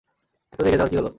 এত রেগে যাওয়ার কি হলো!